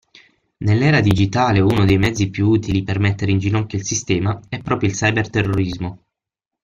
Nell'era digitale uno dei mezzi più utili per mettere in ginocchio il sistema è proprio il cyber-terrorismo.